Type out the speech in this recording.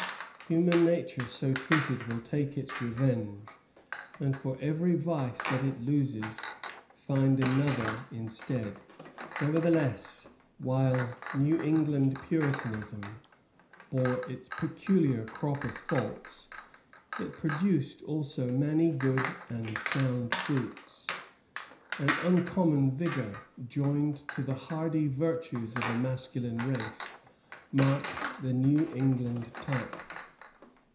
Human nature so treated will take its revenge, and for every vice that it loses find another instead. Nevertheless, while New England Puritanism bore its peculiar crop of faults, it produced also many good and sound fruits. An uncommon vigor, joined to the hardy virtues of a masculine race, marked the New England type.